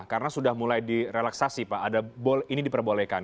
karena sudah mulai direlaksasi pak ini diperbolehkan